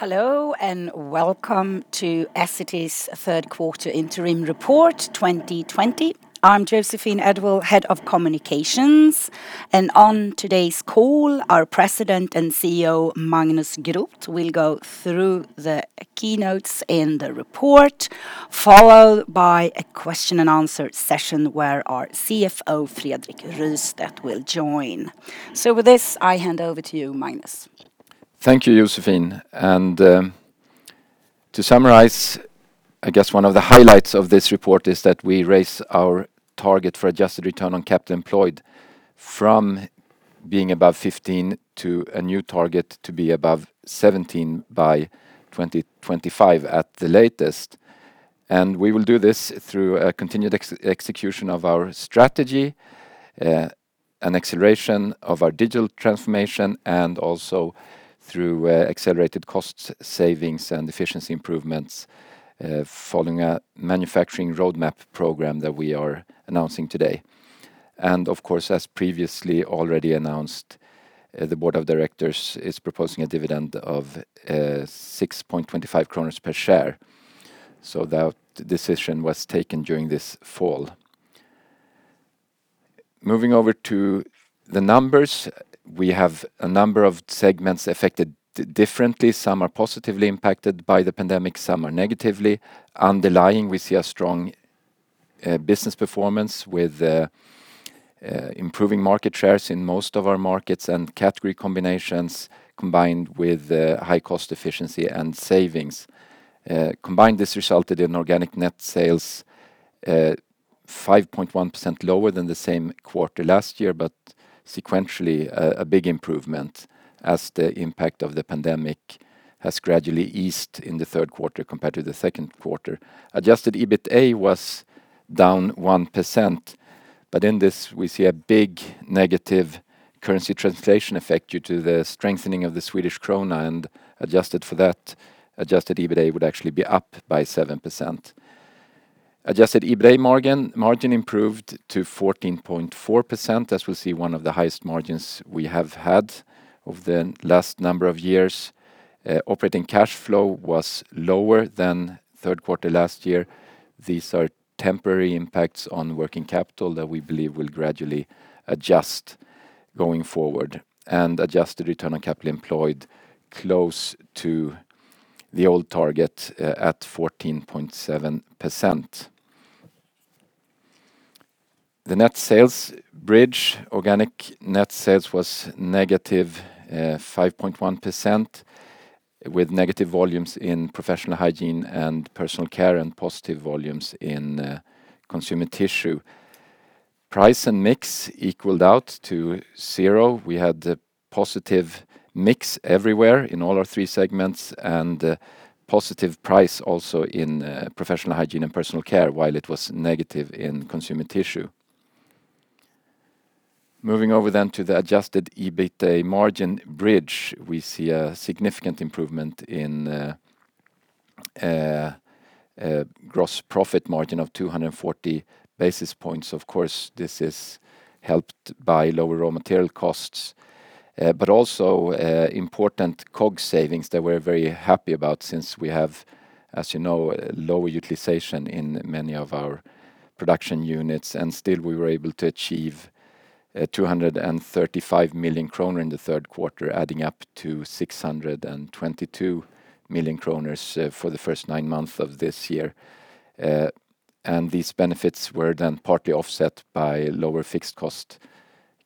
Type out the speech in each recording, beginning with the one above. Hello, welcome to Essity's third quarter interim report 2020. I'm Joséphine Edwall, Head of Communications. On today's call, our President and CEO, Magnus Groth, will go through the keynotes in the report, followed by a question and answer session where our CFO, Fredrik Rystedt, will join. With this, I hand over to you, Magnus. Thank you, Joséphine. To summarize, I guess one of the highlights of this report is that we raise our target for adjusted return on capital employed from being above 15 to a new target to be above 17 by 2025 at the latest. We will do this through a continued execution of our strategy, an acceleration of our digital transformation, and also through accelerated cost savings and efficiency improvements following a Manufacturing Roadmap Program that we are announcing today. Of course, as previously already announced, the board of directors is proposing a dividend of 6.25 kronor per share. That decision was taken during this fall. Moving over to the numbers, we have a number of segments affected differently. Some are positively impacted by the pandemic, some are negatively. Underlying, we see a strong business performance with improving market shares in most of our markets and category combinations, combined with high cost efficiency and savings. Combined, this resulted in organic net sales 5.1% lower than the same quarter last year, but sequentially, a big improvement as the impact of the pandemic has gradually eased in the third quarter compared to the second quarter. Adjusted EBITA was down 1%, but in this we see a big negative currency translation effect due to the strengthening of the Swedish krona and adjusted for that, Adjusted EBITA would actually be up by 7%. Adjusted EBITA margin improved to 14.4%, as we see one of the highest margins we have had over the last number of years. Operating cash flow was lower than third quarter last year. These are temporary impacts on working capital that we believe will gradually adjust going forward. Adjusted return on capital employed close to the old target at 14.7%. The net sales bridge, organic net sales was negative 5.1% with negative volumes in Professional Hygiene and Personal Care and positive volumes in Consumer Tissue. Price and mix equaled out to zero. We had a positive mix everywhere in all our three segments and a positive price also in Professional Hygiene and Personal Care, while it was negative in Consumer Tissue. Moving over to the adjusted EBITA margin bridge, we see a significant improvement in gross profit margin of 240 basis points. Of course, this is helped by lower raw material costs, but also important COG savings that we're very happy about since we have, as you know, lower utilization in many of our production units, and still we were able to achieve 235 million kronor in the third quarter, adding up to 622 million kronor for the first nine months of this year. These benefits were then partly offset by lower fixed cost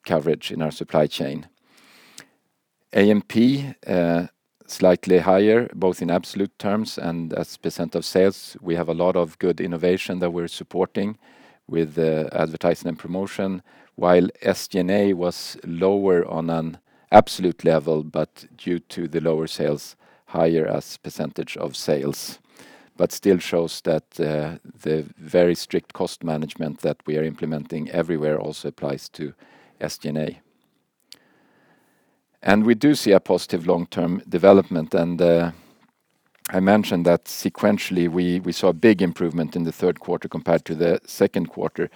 coverage in our supply chain. A&P, slightly higher, both in absolute terms and as a % of sales. We have a lot of good innovation that we're supporting with advertising and promotion. While SG&A was lower on an absolute level, but due to the lower sales, higher as % of sales. Still shows that the very strict cost management that we are implementing everywhere also applies to SG&A. We do see a positive long-term development. I mentioned that sequentially, we saw a big improvement in the third quarter compared to the second quarter.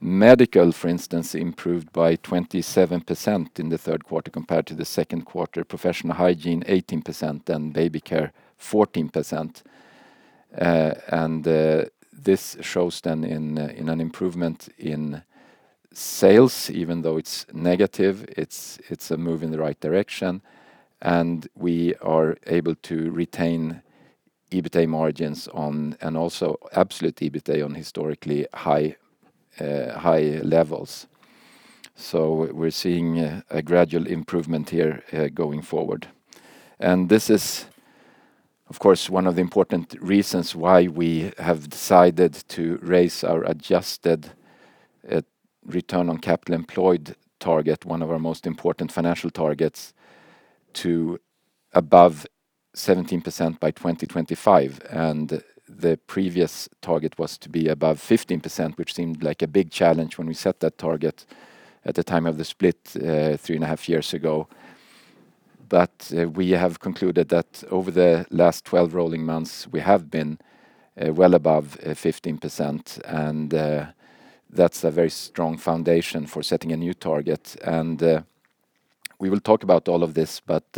Medical, for instance, improved by 27% in the third quarter compared to the second quarter, Professional Hygiene 18%, and Baby Care 14%. This shows then in an improvement in sales, even though it's negative, it's a move in the right direction. We are able to retain EBITA margins on, and also absolute EBITA on historically high levels. We're seeing a gradual improvement here going forward. This is, of course, one of the important reasons why we have decided to raise our adjusted return on capital employed target, one of our most important financial targets, to above 17% by 2025. The previous target was to be above 15%, which seemed like a big challenge when we set that target at the time of the split three and a half years ago. We have concluded that over the last 12 rolling months, we have been well above 15%, and that's a very strong foundation for setting a new target. We will talk about all of this, but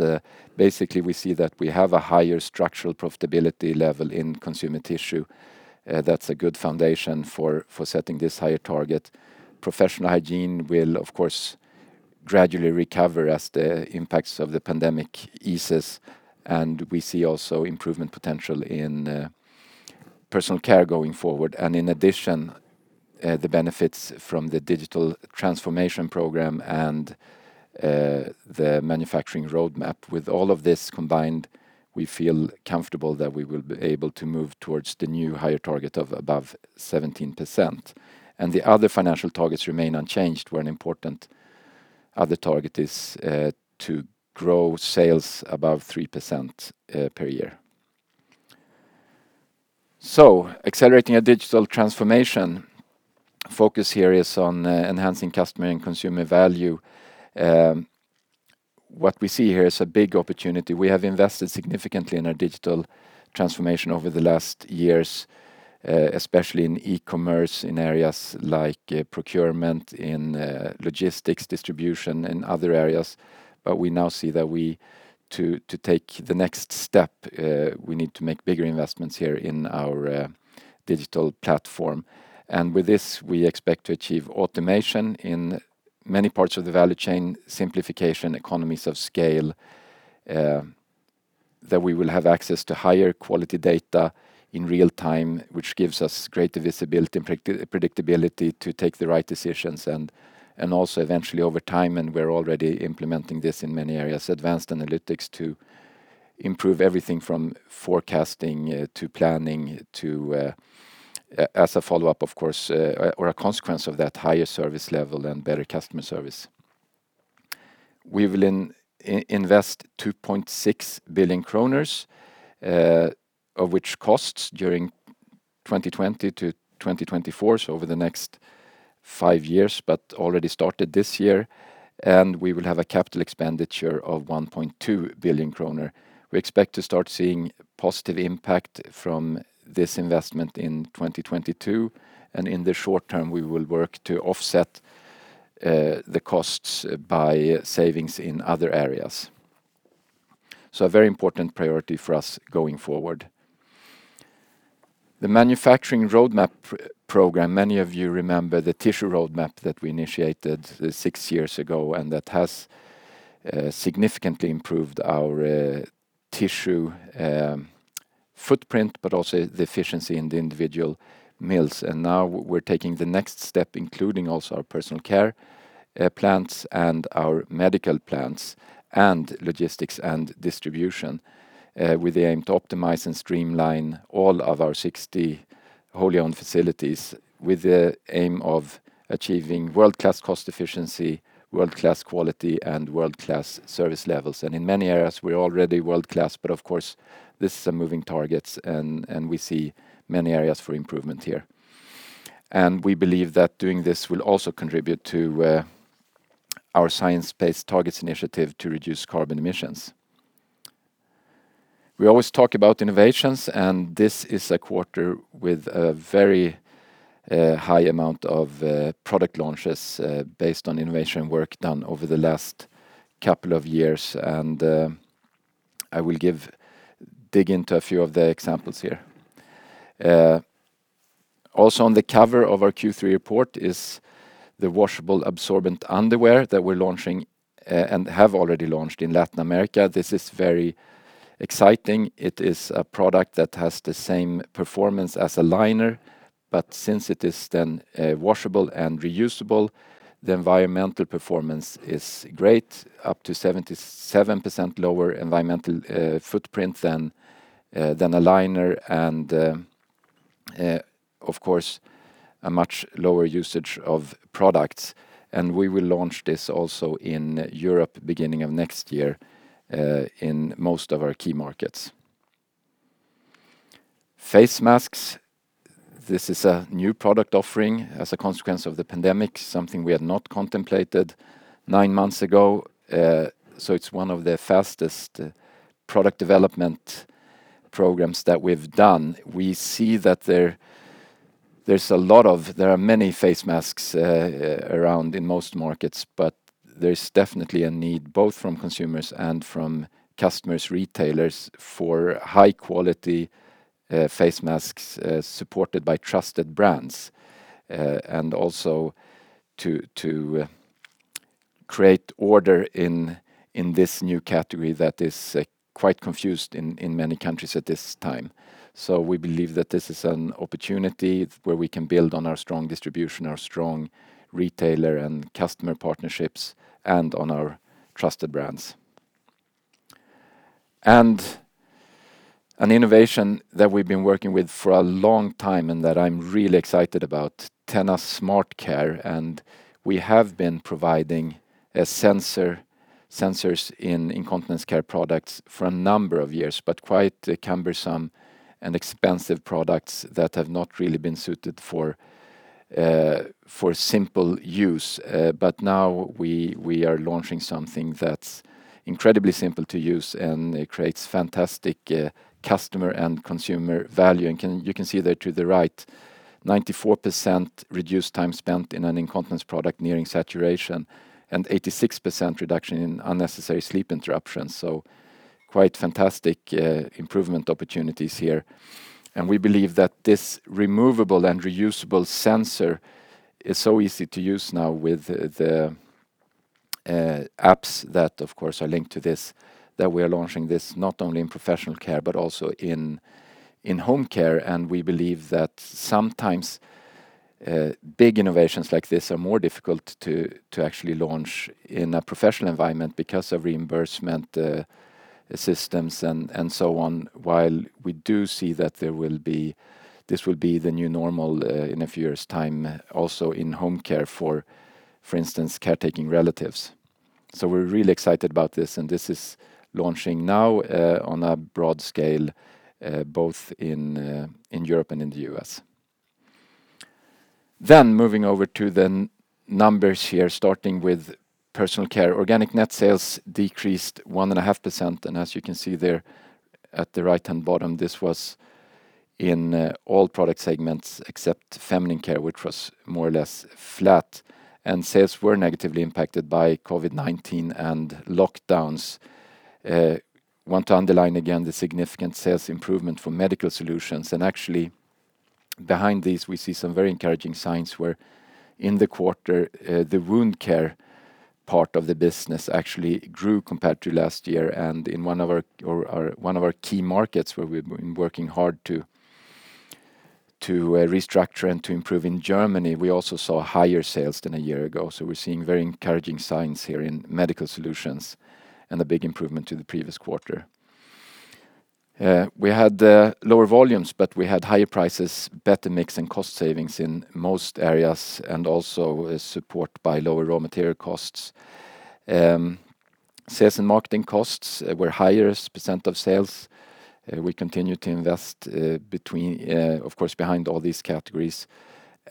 basically we see that we have a higher structural profitability level in Consumer Tissue. That's a good foundation for setting this higher target. Professional Hygiene will, of course, gradually recover as the impacts of the pandemic eases, and we see also improvement potential in Personal Care going forward. In addition, the benefits from the digital transformation program and the manufacturing roadmap. With all of this combined, we feel comfortable that we will be able to move towards the new higher target of above 17%. The other financial targets remain unchanged, where an important other target is to grow sales above 3% per year. Accelerating a digital transformation focus here is on enhancing customer and consumer value. What we see here is a big opportunity. We have invested significantly in our digital transformation over the last years, especially in e-commerce, in areas like procurement, in logistics, distribution, and other areas. We now see that to take the next step, we need to make bigger investments here in our digital platform. With this, we expect to achieve automation in many parts of the value chain, simplification, economies of scale, that we will have access to higher quality data in real time, which gives us greater visibility and predictability to take the right decisions and also eventually over time, and we're already implementing this in many areas, advanced analytics to improve everything from forecasting to planning as a follow-up, of course, or a consequence of that higher service level and better customer service. We will invest 2.6 billion kronor, of which costs during 2020-2024, so over the next five years, but already started this year. We will have a capital expenditure of 1.2 billion kronor. We expect to start seeing positive impact from this investment in 2022. In the short term, we will work to offset the costs by savings in other areas. A very important priority for us going forward. The manufacturing roadmap program, many of you remember the Tissue Roadmap that we initiated six years ago, that has significantly improved our tissue footprint, but also the efficiency in the individual mills. Now we're taking the next step, including also our Personal Care plants and our medical plants and logistics and distribution, with the aim to optimize and streamline all of our 60 wholly-owned facilities with the aim of achieving world-class cost efficiency, world-class quality, and world-class service levels. In many areas, we're already world-class. Of course, this is a moving target, and we see many areas for improvement here. We believe that doing this will also contribute to our Science Based Targets initiative to reduce carbon emissions. We always talk about innovations, this is a quarter with a very high amount of product launches based on innovation work done over the last couple of years, and I will dig into a few of the examples here. Also on the cover of our Q3 report is the washable absorbent underwear that we're launching and have already launched in Latin America. This is very exciting. It is a product that has the same performance as a liner, but since it is then washable and reusable, the environmental performance is great, up to 77% lower environmental footprint than a liner and, of course, a much lower usage of products. We will launch this also in Europe beginning of next year in most of our key markets. Face masks. This is a new product offering as a consequence of the pandemic, something we had not contemplated nine months ago. It's one of the fastest product development programs that we've done. We see that there are many face masks around in most markets, but there's definitely a need both from consumers and from customers, retailers, for high-quality face masks supported by trusted brands, and also to create order in this new category that is quite confused in many countries at this time. We believe that this is an opportunity where we can build on our strong distribution, our strong retailer and customer partnerships, and on our trusted brands. An innovation that we've been working with for a long time and that I'm really excited about, TENA SmartCare, and we have been providing sensors in incontinence care products for a number of years, but quite cumbersome and expensive products that have not really been suited for simple use. Now we are launching something that's incredibly simple to use and it creates fantastic customer and consumer value. You can see there to the right, 94% reduced time spent in an incontinence product nearing saturation, and 86% reduction in unnecessary sleep interruptions. Quite fantastic improvement opportunities here. We believe that this removable and reusable sensor is so easy to use now with the apps that, of course, are linked to this, that we are launching this not only in Professional Care but also in Home Care. We believe that sometimes big innovations like this are more difficult to actually launch in a professional environment because of reimbursement systems and so on. While we do see that this will be the new normal in a few years' time also in Home Care for instance, caretaking relatives. We're really excited about this, and this is launching now on a broad scale both in Europe and in the U.S. Moving over to the numbers here, starting with Personal Care. Organic net sales decreased 1.5%, and as you can see there at the right-hand bottom, this was in all product segments except feminine care, which was more or less flat. Sales were negatively impacted by COVID-19 and lockdowns. We want to underline again the significant sales improvement for medical solutions. Actually, behind this, we see some very encouraging signs where in the quarter, the wound care part of the business actually grew compared to last year. In one of our key markets where we've been working hard to restructure and to improve in Germany, we also saw higher sales than a year ago. We're seeing very encouraging signs here in medical solutions and a big improvement to the previous quarter. We had lower volumes, we had higher prices, better mix, and cost savings in most areas, also support by lower raw material costs. Sales and marketing costs were higher as % of sales. We continue to invest, of course, behind all these categories.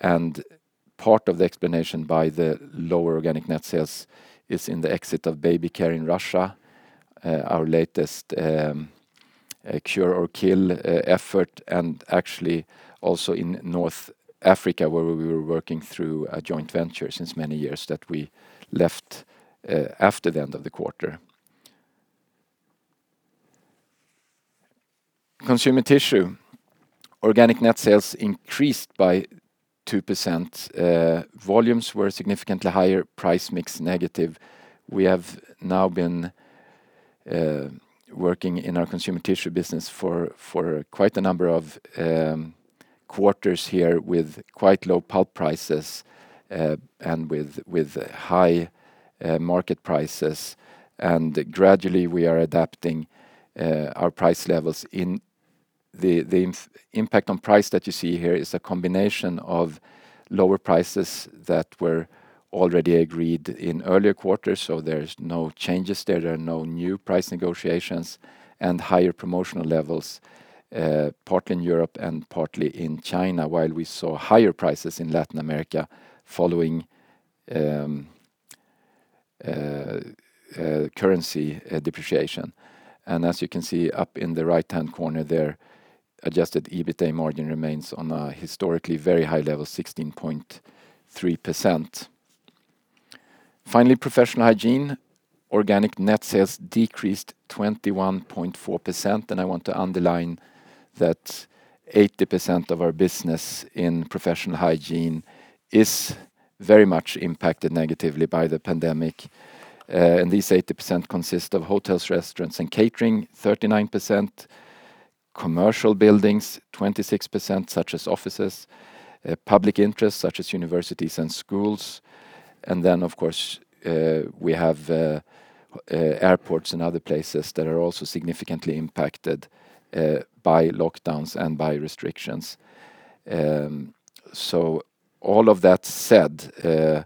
Part of the explanation by the lower organic net sales is in the exit of baby care in Russia, our latest cure or kill effort. Actually also in North Africa, where we were working through a joint venture since many years that we left after the end of the quarter. Consumer Tissue. Organic net sales increased by 2%. Volumes were significantly higher, price mix negative. We have now been working in our Consumer Tissue business for quite a number of quarters here with quite low pulp prices and with high market prices. Gradually, we are adapting our price levels. The impact on price that you see here is a combination of lower prices that were already agreed in earlier quarters. There's no changes there. There are no new price negotiations and higher promotional levels, partly in Europe and partly in China. While we saw higher prices in Latin America following currency depreciation. As you can see up in the right-hand corner there, adjusted EBITA margin remains on a historically very high level, 16.3%. Finally, Professional Hygiene. Organic net sales decreased 21.4%. I want to underline that 80% of our business in Professional Hygiene is very much impacted negatively by the pandemic. This 80% consists of hotels, restaurants, and catering, 39%, commercial buildings, 26%, such as offices, public interests such as universities and schools. Then, of course, we have airports and other places that are also significantly impacted by lockdowns and by restrictions. All of that said,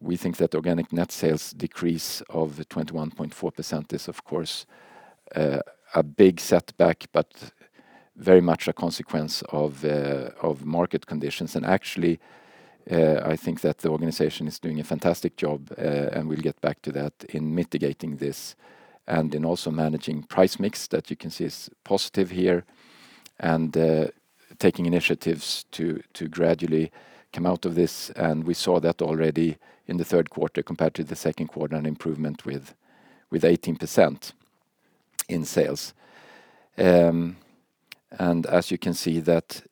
we think that organic net sales decrease of 21.4% is, of course, a big setback, but very much a consequence of market conditions. Actually, I think that the organization is doing a fantastic job, and we'll get back to that in mitigating this and in also managing price mix that you can see is positive here and taking initiatives to gradually come out of this. We saw that already in the third quarter compared to the second quarter, an improvement with 18% in sales. As you can see that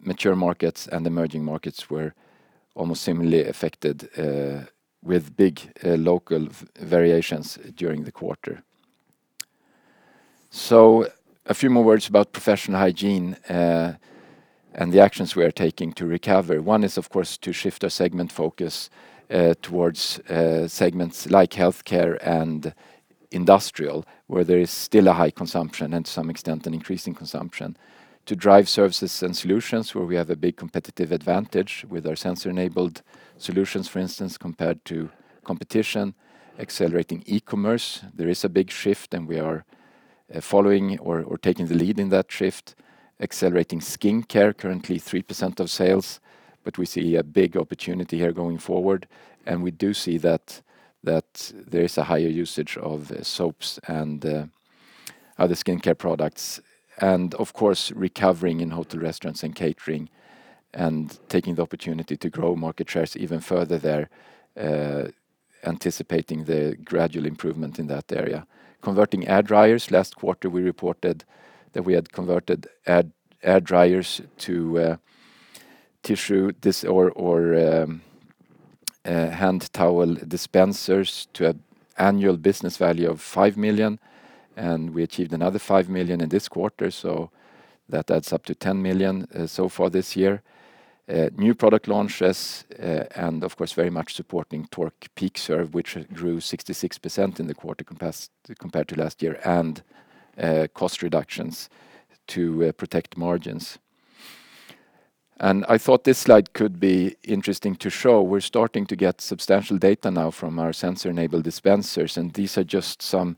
mature markets and emerging markets were almost similarly affected with big local variations during the quarter. A few more words about Professional Hygiene and the actions we are taking to recover. One is, of course, to shift our segment focus towards segments like healthcare and industrial, where there is still a high consumption and to some extent, an increasing consumption. To drive services and solutions where we have a big competitive advantage with our sensor-enabled solutions, for instance, compared to competition. Accelerating e-commerce. There is a big shift, and we are taking the lead in that shift. Accelerating skincare, currently 3% of sales, but we see a big opportunity here going forward. We do see that there is a higher usage of soaps and other skincare products. Of course, recovering in hotel restaurants and catering and taking the opportunity to grow market shares even further there, anticipating the gradual improvement in that area. Converting air dryers. Last quarter, we reported that we had converted air dryers to tissue or hand towel dispensers to an annual business value of 5 million, and we achieved another 5 million in this quarter, so that adds up to 10 million so far this year. New product launches and, of course, very much supporting Tork PeakServe, which grew 66% in the quarter compared to last year, and cost reductions to protect margins. I thought this slide could be interesting to show. We're starting to get substantial data now from our sensor-enabled dispensers, and these are just some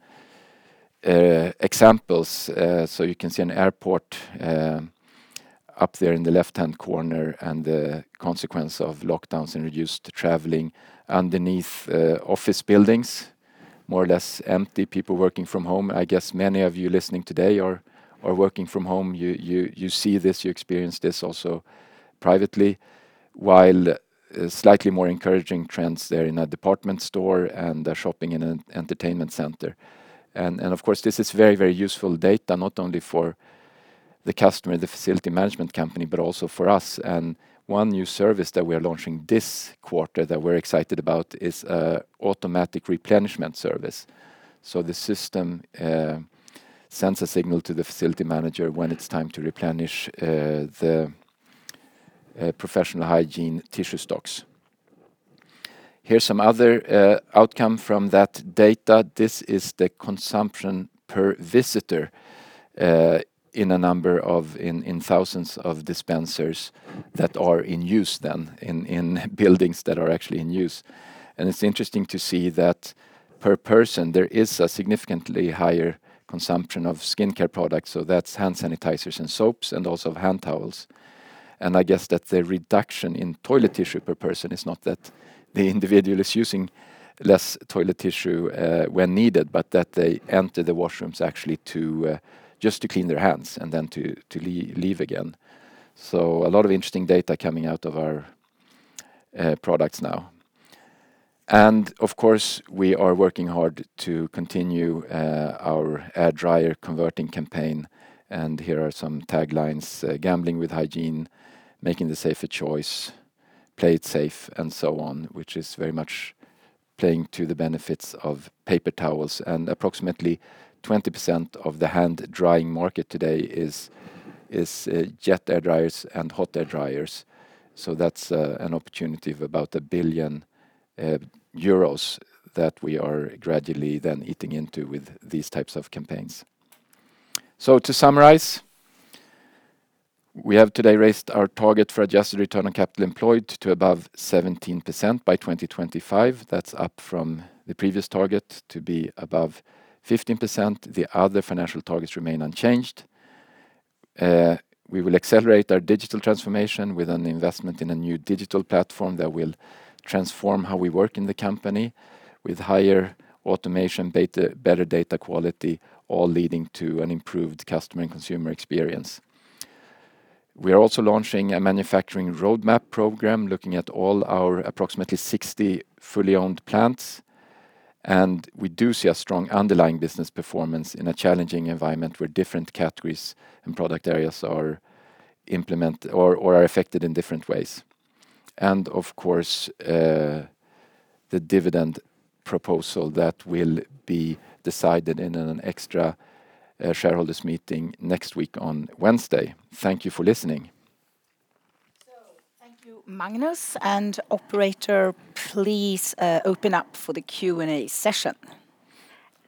examples. You can see an airport up there in the left-hand corner and the consequence of lockdowns and reduced traveling. Underneath, office buildings, more or less empty, people working from home. I guess many of you listening today are working from home. You see this, you experience this also privately. While slightly more encouraging trends there in a department store and a shopping and an entertainment center. Of course, this is very, very useful data, not only for the customer, the facility management company, but also for us. One new service that we are launching this quarter that we're excited about is Automatic Replenishment Service. The system sends a signal to the facility manager when it's time to replenish the Professional Hygiene tissue stocks. Here's some other outcome from that data. This is the consumption per visitor in thousands of dispensers that are in use then in buildings that are actually in use. It's interesting to see that per person, there is a significantly higher consumption of skincare products, so that's hand sanitizers and soaps, and also of hand towels. I guess that the reduction in toilet tissue per person is not that the individual is using less toilet tissue when needed, but that they enter the washrooms actually just to clean their hands and then to leave again. A lot of interesting data coming out of our products now. Of course, we are working hard to continue our air dryer converting campaign, and here are some taglines, "Gambling with hygiene," "Making the safer choice," "Play it safe," and so on, which is very much playing to the benefits of paper towels. Approximately 20% of the hand drying market today is jet air dryers and hot air dryers. That's an opportunity of about 1 billion euros that we are gradually then eating into with these types of campaigns. To summarize, we have today raised our target for adjusted return on capital employed to above 17% by 2025. That's up from the previous target to be above 15%. The other financial targets remain unchanged. We will accelerate our digital transformation with an investment in a new digital platform that will transform how we work in the company with higher automation, better data quality, all leading to an improved customer and consumer experience. We are also launching a manufacturing roadmap program looking at all our approximately 60 fully owned plants, and we do see a strong underlying business performance in a challenging environment where different categories and product areas are affected in different ways. Of course, the dividend proposal that will be decided in an extra shareholders' meeting next week on Wednesday. Thank you for listening. Thank you, Magnus. Operator, please open up for the Q&A session.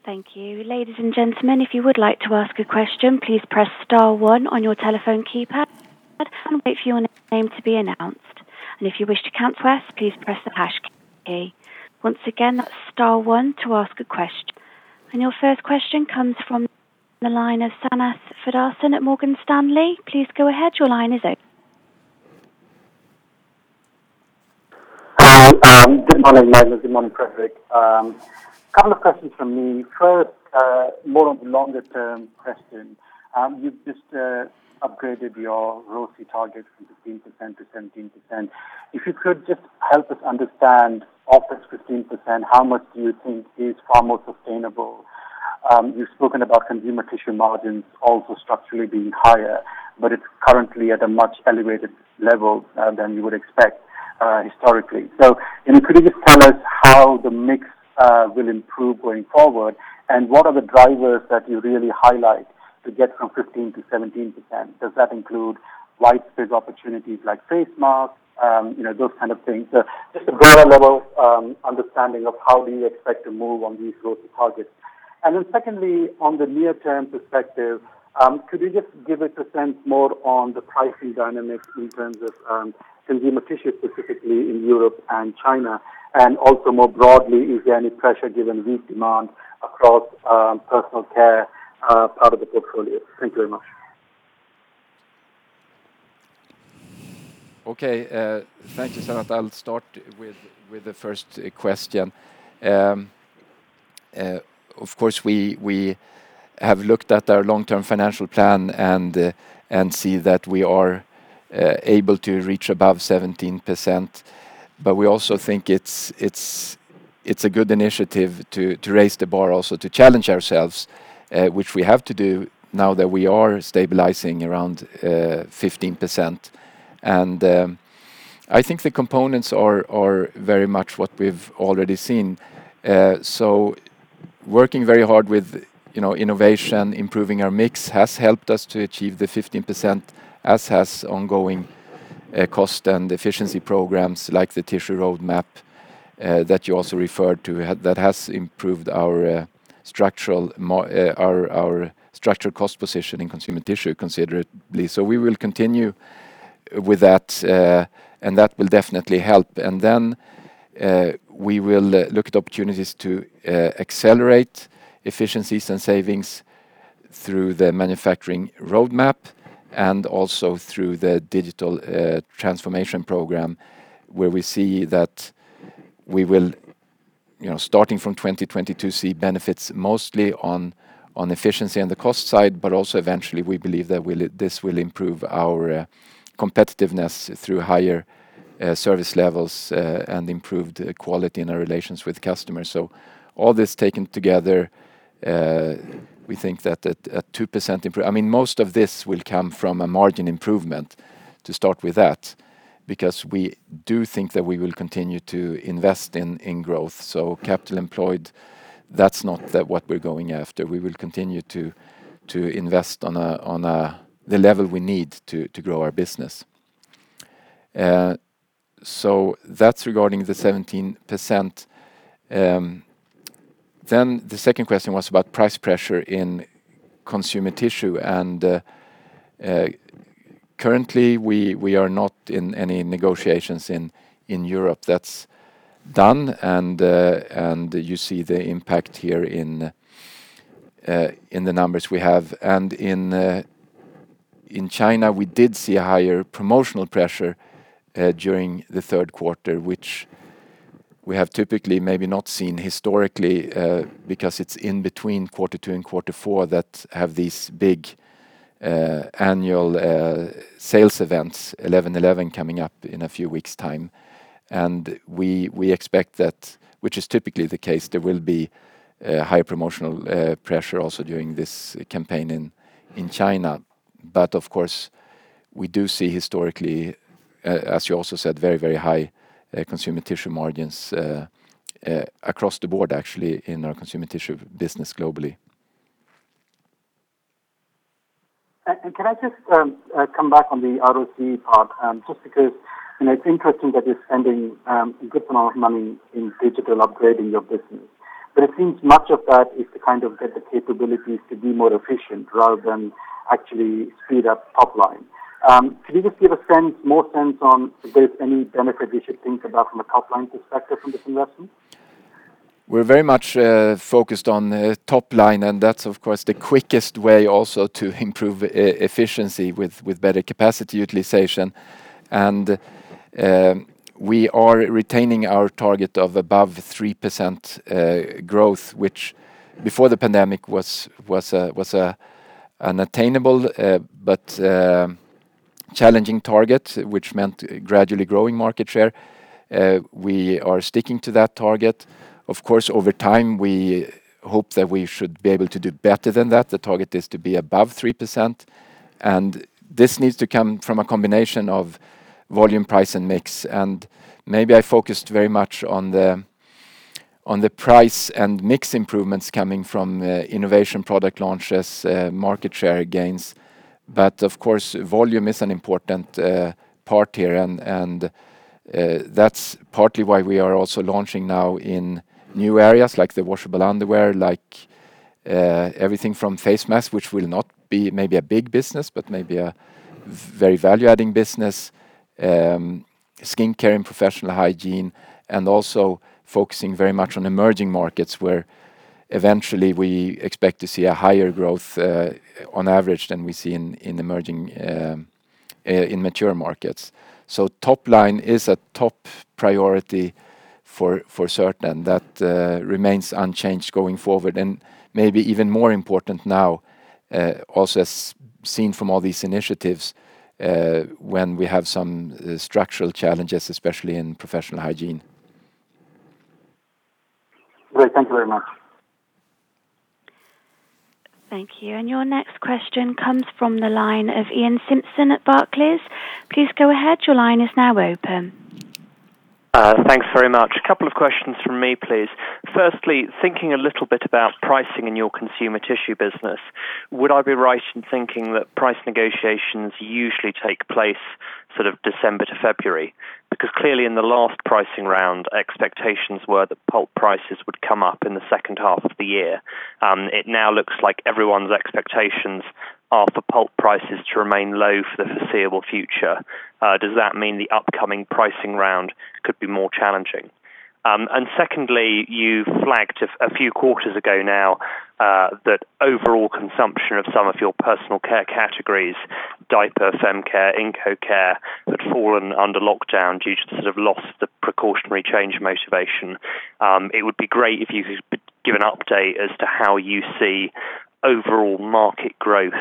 Thank you. Ladies and gentlemen, if you would like to ask a question, please press star 1 on your telephone keypad and wait for your name to be announced. If you wish to cancel, please press the hash key. Once again, that's star 1 to ask a question. Your first question comes from the line of Sanath Sudarsan at Morgan Stanley. Please go ahead. Your line is open. Good morning, Magnus. Good morning, Fredrik. A couple of questions from me. First, more of a longer-term question. You've just upgraded your ROCE target from 15% to 17%. If you could just help us understand of this 15%, how much do you think is far more sustainable? You've spoken about consumer tissue margins also structurally being higher, but it's currently at a much elevated level than you would expect historically. Could you just tell us how the mix will improve going forward, and what are the drivers that you really highlight to get from 15% to 17%? Does that include widespread opportunities like face masks, those kind of things? Just a broader level understanding of how do you expect to move on these growth targets. Then secondly, on the near-term perspective, could you just give us a sense more on the pricing dynamics in terms of Consumer Tissue, specifically in Europe and China? And also more broadly, is there any pressure given weak demand across Personal Care part of the portfolio? Thank you very much. Thank you, Sanath. I'll start with the first question. We have looked at our long-term financial plan and see that we are able to reach above 17%, we also think it's a good initiative to raise the bar also to challenge ourselves, which we have to do now that we are stabilizing around 15%. I think the components are very much what we've already seen. Working very hard with innovation, improving our mix has helped us to achieve the 15%, as has ongoing cost and efficiency programs like the Tissue Roadmap, that you also referred to, that has improved our structural cost position in Consumer Tissue considerably. We will continue with that, and that will definitely help. We will look at opportunities to accelerate efficiencies and savings through the manufacturing roadmap and also through the digital transformation program, where we see that we will, starting from 2022, see benefits mostly on efficiency on the cost side, but also eventually, we believe that this will improve our competitiveness through higher service levels and improved quality in our relations with customers. All this taken together, we think that a 2% improvement. Most of this will come from a margin improvement, to start with that, because we do think that we will continue to invest in growth. Capital employed, that's not what we're going after. We will continue to invest on the level we need to grow our business. That's regarding the 17%. The second question was about price pressure in Consumer Tissue. Currently, we are not in any negotiations in Europe. That's done. You see the impact here in the numbers we have. In China, we did see a higher promotional pressure during the third quarter, which we have typically maybe not seen historically because it's in between quarter two and quarter four that have these big annual sales events, 11.11 coming up in a few weeks' time. We expect that, which is typically the case, there will be higher promotional pressure also during this campaign in China. Of course, we do see historically, as you also said, very high Consumer Tissue margins across the board, actually, in our Consumer Tissue business globally. Can I just come back on the ROC part? Just because it's interesting that you're spending a good amount of money in digital upgrading your business. It seems much of that is to get the capabilities to be more efficient rather than actually speed up top line. Could you just give a more sense on if there's any benefit we should think about from a top-line perspective from this investment? We're very much focused on top line. That's of course, the quickest way also to improve efficiency with better capacity utilization. We are retaining our target of above 3% growth, which before the pandemic was an attainable but challenging target, which meant gradually growing market share. We are sticking to that target. Of course, over time, we hope that we should be able to do better than that. The target is to be above 3%. This needs to come from a combination of volume, price, and mix. Maybe I focused very much on the price and mix improvements coming from innovation, product launches, market share gains. Of course, volume is an important part here, and that's partly why we are also launching now in new areas like the washable underwear, like everything from face masks, which will not be maybe a big business, but maybe a very value-adding business, skin care and Professional Hygiene, and also focusing very much on emerging markets where eventually we expect to see a higher growth, on average, than we see in mature markets. Top line is a top priority for certain. That remains unchanged going forward. Maybe even more important now, also as seen from all these initiatives, when we have some structural challenges, especially in Professional Hygiene. Great. Thank you very much. Thank you. Your next question comes from the line of Iain Simpson at Barclays. Please go ahead. Thanks very much. A couple of questions from me, please. Firstly, thinking a little bit about pricing in your Consumer Tissue business, would I be right in thinking that price negotiations usually take place December to February? Clearly in the last pricing round, expectations were that pulp prices would come up in the second half of the year. It now looks like everyone's expectations are for pulp prices to remain low for the foreseeable future. Does that mean the upcoming pricing round could be more challenging? Secondly, you flagged a few quarters ago now that overall consumption of some of your Personal Care categories, diaper, fem care, inco care, had fallen under lockdown due to the loss, the precautionary change motivation. It would be great if you could give an update as to how you see overall market growth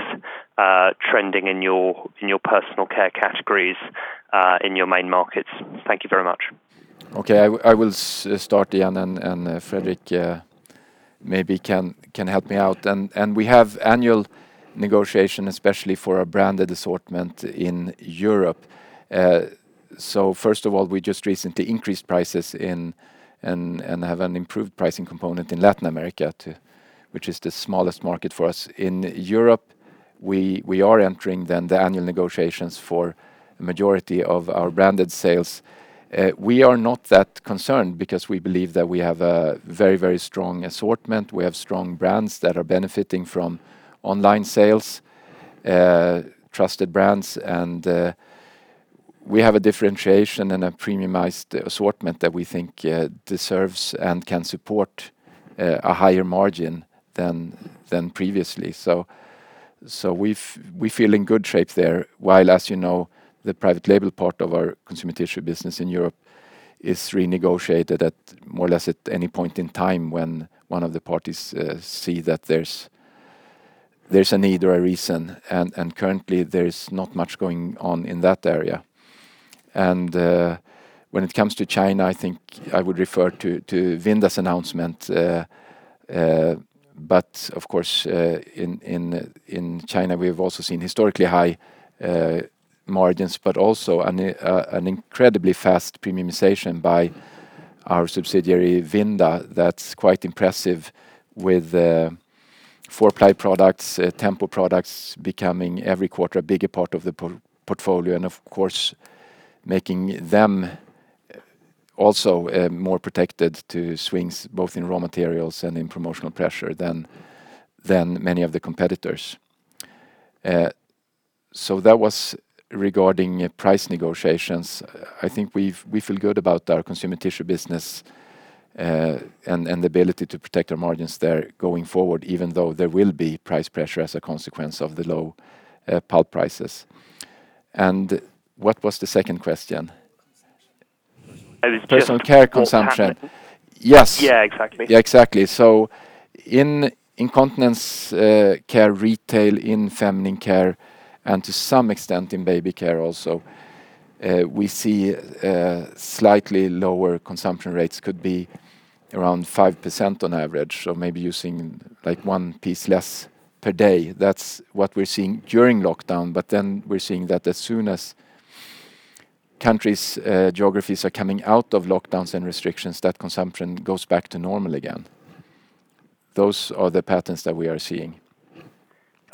trending in your Personal Care categories in your main markets. Thank you very much. Okay. I will start again. Fredrik maybe can help me out. We have annual negotiation, especially for our branded assortment in Europe. First of all, we just recently increased prices and have an improved pricing component in Latin America, which is the smallest market for us. In Europe, we are entering then the annual negotiations for majority of our branded sales. We are not that concerned because we believe that we have a very strong assortment. We have strong brands that are benefiting from online sales, trusted brands, and we have a differentiation and a premiumized assortment that we think deserves and can support a higher margin than previously. We feel in good shape there. While, as you know, the private label part of our Consumer Tissue business in Europe is renegotiated at more or less at any point in time when one of the parties see that there's a need or a reason. Currently, there is not much going on in that area. When it comes to China, I think I would refer to Vinda's announcement. Of course, in China, we've also seen historically high margins, but also an incredibly fast premiumization by our subsidiary, Vinda, that's quite impressive with four-ply products, Tempo products, becoming every quarter a bigger part of the portfolio. Of course, making them also more protected to swings, both in raw materials and in promotional pressure than many of the competitors. That was regarding price negotiations. I think we feel good about our Consumer Tissue business and the ability to protect our margins there going forward, even though there will be price pressure as a consequence of the low pulp prices. What was the second question? Personal Care consumption. Personal Care consumption. Yes. Yeah, exactly. Yeah, exactly. In incontinence care retail, in feminine care, and to some extent in baby care also, we see slightly lower consumption rates, could be around 5% on average. So maybe using one piece less per day. That's what we're seeing during lockdown. Then we're seeing that as soon as countries, geographies are coming out of lockdowns and restrictions, that consumption goes back to normal again. Those are the patterns that we are seeing.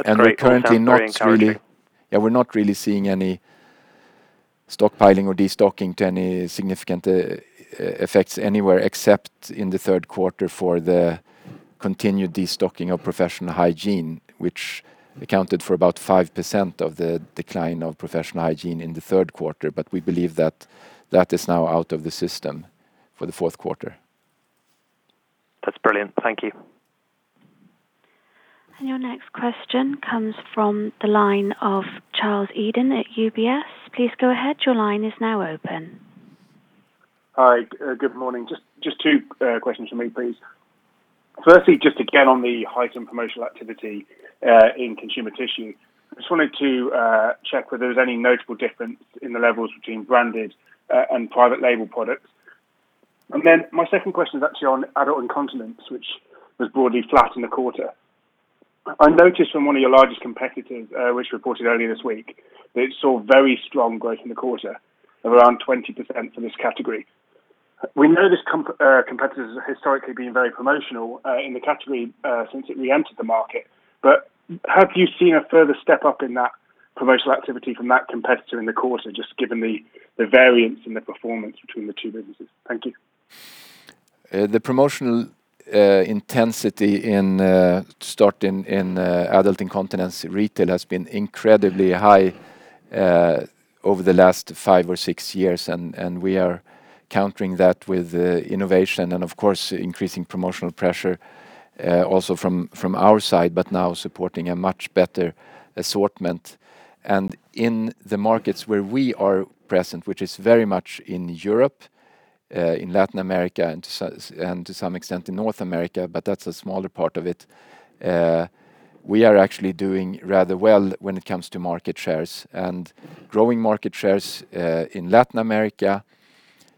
That's very encouraging. Yeah, we're not really seeing any stockpiling or destocking to any significant effects anywhere except in the third quarter for the continued destocking of Professional Hygiene, which accounted for about 5% of the decline of Professional Hygiene in the third quarter. We believe that is now out of the system for the fourth quarter. That's brilliant. Thank you. Your next question comes from the line of Charles Eden at UBS. Hi. Good morning. Just two questions from me, please. Firstly, just again, on the heightened promotional activity in Consumer Tissue. I just wanted to check whether there was any notable difference in the levels between branded and private label products. My second question is actually on adult incontinence, which was broadly flat in the quarter. I noticed from one of your largest competitors, which reported earlier this week, that it saw very strong growth in the quarter of around 20% in this category. We know this competitor has historically been very promotional in the category since it re-entered the market. Have you seen a further step-up in that promotional activity from that competitor in the quarter, just given the variance in the performance between the two businesses? Thank you. The promotional intensity to start in adult incontinence retail has been incredibly high over the last five or six years. We are countering that with innovation and, of course, increasing promotional pressure also from our side, but now supporting a much better assortment. In the markets where we are present, which is very much in Europe, in Latin America, and to some extent in North America, but that's a smaller part of it, we are actually doing rather well when it comes to market shares. Growing market shares in Latin America,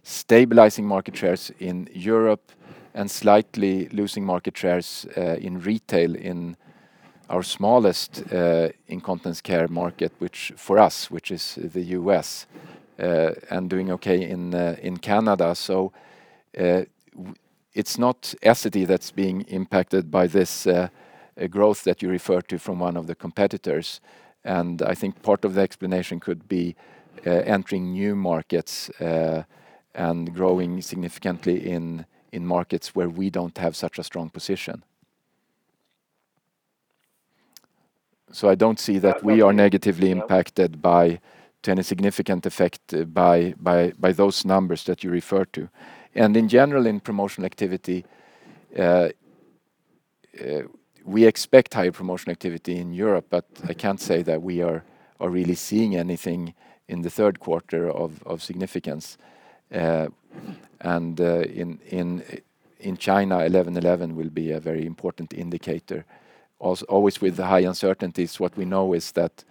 stabilizing market shares in Europe, and slightly losing market shares in retail in our smallest incontinence care market, for us, which is the U.S., and doing okay in Canada. It's not Essity that's being impacted by this growth that you refer to from one of the competitors. I think part of the explanation could be entering new markets and growing significantly in markets where we don't have such a strong position. I don't see that we are negatively impacted to any significant effect by those numbers that you refer to. In general, in promotional activity, we expect higher promotional activity in Europe, but I can't say that we are really seeing anything in the third quarter of significance. In China, 11.11 will be a very important indicator. Also, always with high uncertainties, what we know is that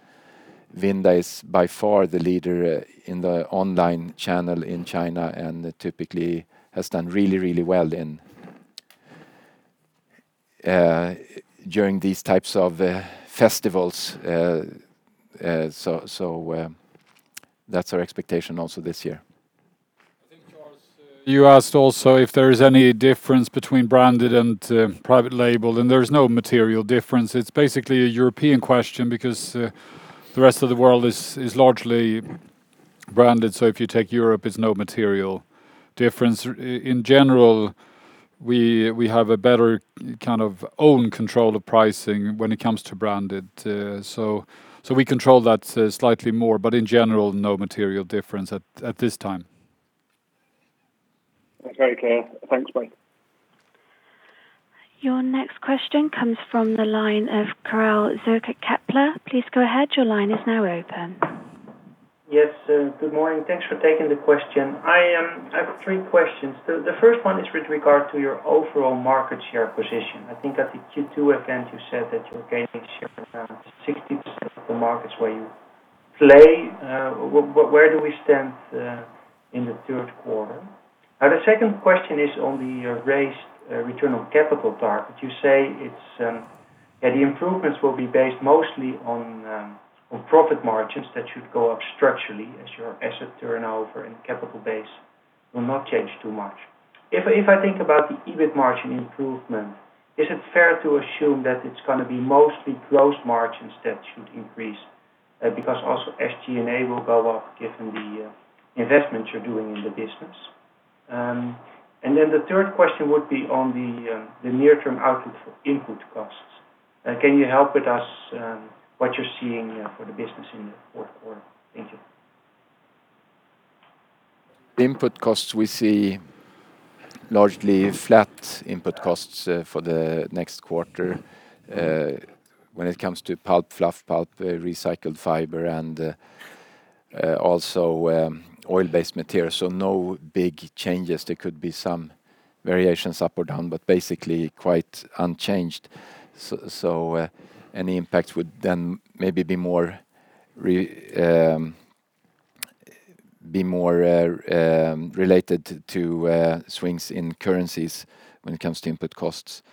Vinda is by far the leader in the online channel in China and typically has done really well during these types of festivals. That's our expectation also this year. I think, Charles, you asked also if there is any difference between branded and private label, there is no material difference. It's basically a European question because the rest of the world is largely branded. If you take Europe, it's no material difference. In general, we have a better kind of own control of pricing when it comes to branded. We control that slightly more. In general, no material difference at this time. Very clear. Thanks, bye. Your next question comes from the line of Karel Zoete at Kepler. Please go ahead. Your line is now open. Yes, good morning. Thanks for taking the question. I have three questions. The first one is with regard to your overall market share position. I think at the Q2 event, you said that you were gaining share around 60% of the markets where you play. Where do we stand in the third quarter? The second question is on the raised return on capital part, that you say the improvements will be based mostly on profit margins that should go up structurally as your asset turnover and capital base will not change too much. If I think about the EBIT margin improvement, is it fair to assume that it's going to be mostly gross margins that should increase? Also SG&A will go up given the investments you're doing in the business. The third question would be on the near-term outlook for input costs. Can you help with us what you're seeing for the business in the fourth quarter? Thank you. Input costs, we see largely flat input costs for the next quarter when it comes to pulp, fluff pulp, recycled fiber, and also oil-based materials. No big changes. There could be some variations up or down, but basically quite unchanged. Any impact would then maybe be more related to swings in currencies when it comes to input costs.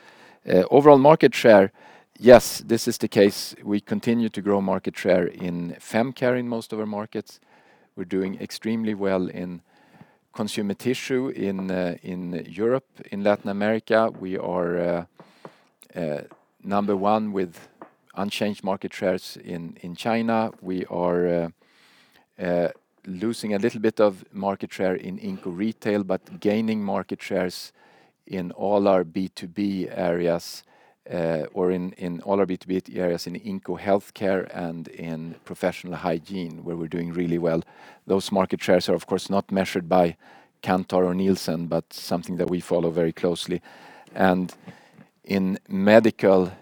Overall market share, yes, this is the case. We continue to grow market share in fem care in most of our markets. We're doing extremely well in Consumer Tissue in Europe. In Latin America, we are number 1 with unchanged market shares. In China, we are losing a little bit of market share in inco retail, but gaining market shares in all our B2B areas, or in all our B2B areas in inco healthcare and in Professional Hygiene, where we're doing really well. Those market shares are, of course, not measured by Kantar or Nielsen, but something that we follow very closely. In medical,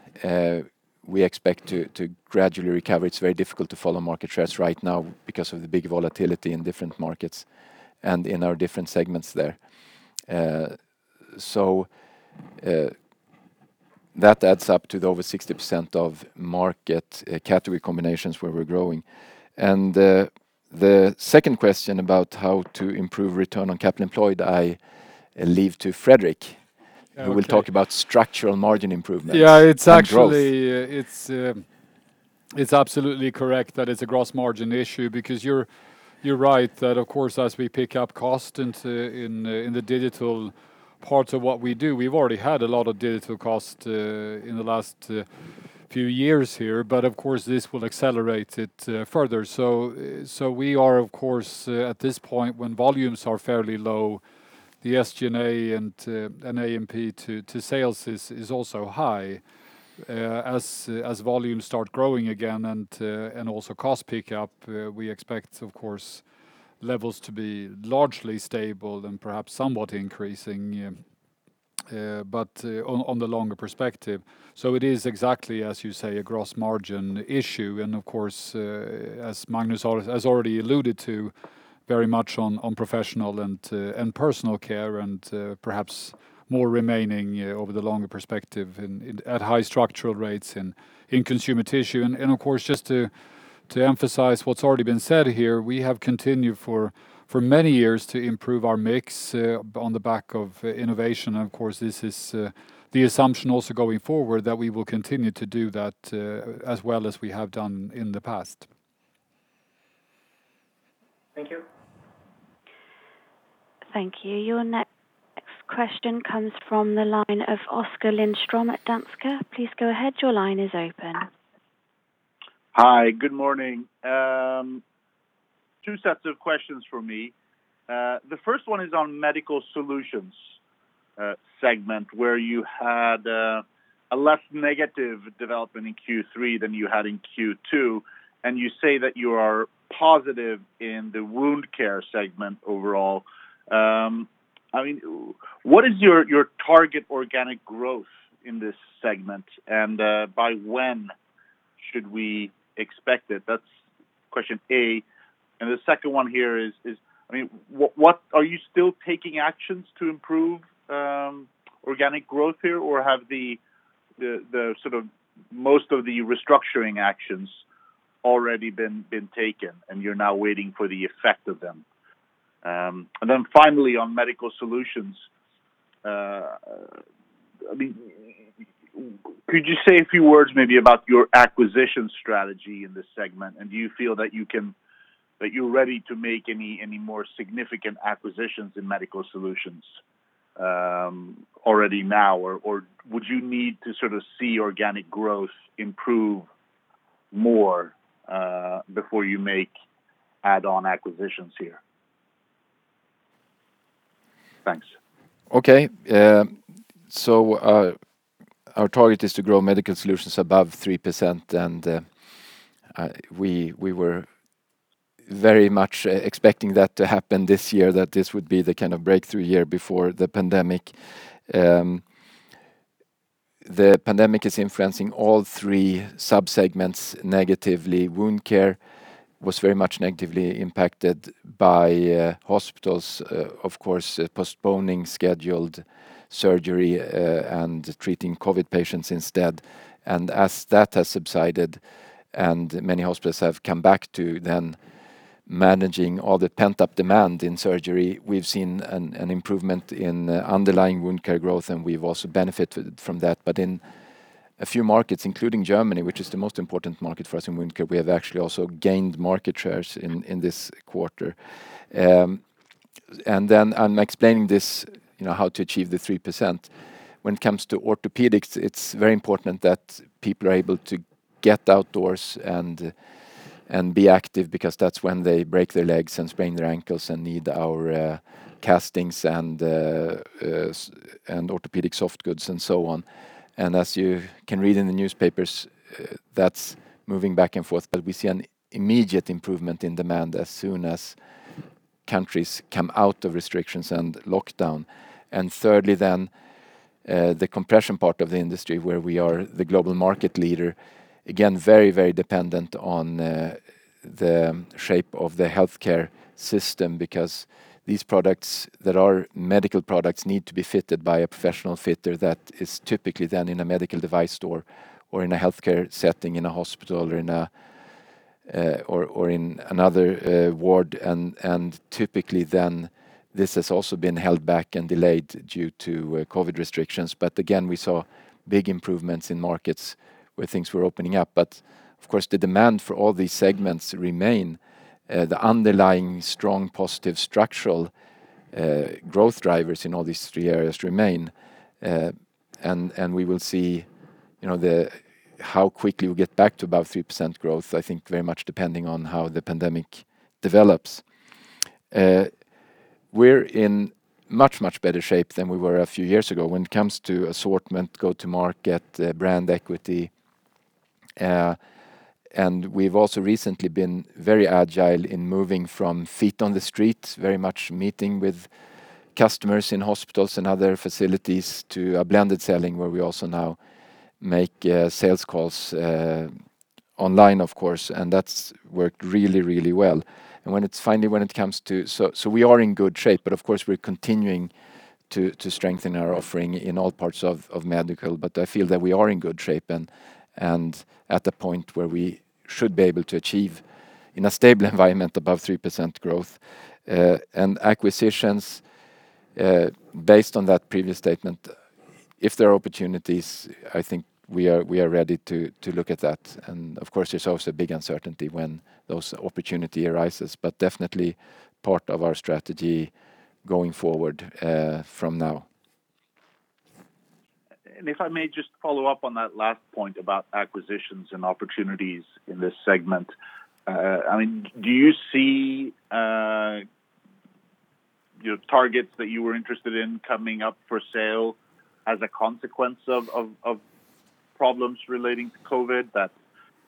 we expect to gradually recover. It's very difficult to follow market shares right now because of the big volatility in different markets and in our different segments there. That adds up to the over 60% of market category combinations where we're growing. The second question about how to improve return on capital employed, I leave to Fredrik, who will talk about structural margin improvements and growth. It's absolutely correct that it's a gross margin issue because you're right that, of course, as we pick up cost in the digital part of what we do, we've already had a lot of digital cost in the last few years here, but of course, this will accelerate it further. We are, of course, at this point, when volumes are fairly low, the SG&A and A&P to sales is also high. As volumes start growing again and also cost pick up, we expect, of course, levels to be largely stable and perhaps somewhat increasing, but on the longer perspective. It is exactly, as you say, a gross margin issue, and of course, as Magnus has already alluded to, very much on professional and Personal Care and perhaps more remaining over the longer perspective at high structural rates in Consumer Tissue. Of course, just to emphasize what's already been said here, we have continued for many years to improve our mix on the back of innovation, and of course, this is the assumption also going forward that we will continue to do that as well as we have done in the past. Thank you. Thank you. Your next question comes from the line of Oskar Lindström at Danske. Please go ahead. Your line is open. Hi. Good morning. Two sets of questions from me. The first one is on Medical Solutions segment where you had a less negative development in Q3 than you had in Q2, and you say that you are positive in the wound care segment overall. What is your target organic growth in this segment? By when should we expect it? That's question A. The second one here is, are you still taking actions to improve organic growth here or have most of the restructuring actions already been taken and you're now waiting for the effect of them? Finally, on Medical Solutions, could you say a few words maybe about your acquisition strategy in this segment? Do you feel that you're ready to make any more significant acquisitions in medical solutions already now or would you need to see organic growth improve more before you make add-on acquisitions here? Thanks. Okay. Our target is to grow Medical Solutions above 3% and we were very much expecting that to happen this year, that this would be the kind of breakthrough year before the pandemic. The pandemic is influencing all three sub-segments negatively. Wound care was very much negatively impacted by hospitals, of course, postponing scheduled surgery and treating COVID patients instead. As that has subsided and many hospitals have come back to then managing all the pent-up demand in surgery, we've seen an improvement in underlying wound care growth, and we've also benefited from that. In a few markets, including Germany, which is the most important market for us in wound care, we have actually also gained market shares in this quarter. I'm explaining this, how to achieve the 3%. When it comes to orthopedics, it's very important that people are able to get outdoors and be active because that's when they break their legs and sprain their ankles and need our castings and orthopedic soft goods and so on. As you can read in the newspapers, that's moving back and forth, but we see an immediate improvement in demand as soon as countries come out of restrictions and lockdown. Thirdly then, the compression part of the industry where we are the global market leader, again, very dependent on the shape of the healthcare system because these products that are medical products need to be fitted by a professional fitter that is typically then in a medical device store or in a healthcare setting, in a hospital or in another ward. Typically then this has also been held back and delayed due to COVID restrictions. Again, we saw big improvements in markets where things were opening up. Of course, the demand for all these segments remain. The underlying strong positive structural growth drivers in all these three areas remain. We will see how quickly we get back to above 3% growth, I think very much depending on how the pandemic develops. We're in much better shape than we were a few years ago when it comes to assortment, go to market, brand equity. We've also recently been very agile in moving from feet on the street, very much meeting with customers in hospitals and other facilities to a blended selling where we also now make sales calls online, of course, and that's worked really well. We are in good shape, but of course, we're continuing to strengthen our offering in all parts of medical, but I feel that we are in good shape and at the point where we should be able to achieve in a stable environment above 3% growth. Acquisitions, based on that previous statement, if there are opportunities, I think we are ready to look at that. Of course, there's also big uncertainty when those opportunity arises, but definitely part of our strategy going forward from now. If I may just follow up on that last point about acquisitions and opportunities in this segment. Do you see targets that you were interested in coming up for sale as a consequence of problems relating to COVID that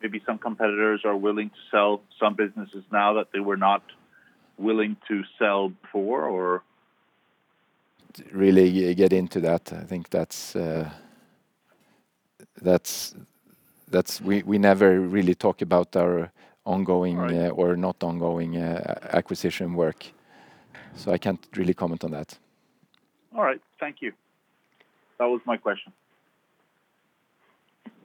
maybe some competitors are willing to sell some businesses now that they were not willing to sell before or? Really get into that, I think we never really talk about our ongoing. Right or not ongoing acquisition work. I can't really comment on that. All right. Thank you. That was my question.